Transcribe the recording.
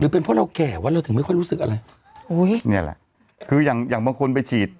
เป็นเพราะเราแก่วะเราถึงไม่ค่อยรู้สึกอะไรอุ้ยเนี่ยแหละคืออย่างอย่างบางคนไปฉีด